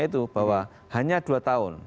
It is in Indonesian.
itu bahwa hanya dua tahun